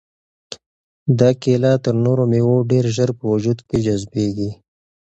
دا کیله تر نورو مېوو ډېر ژر په وجود کې جذبیږي.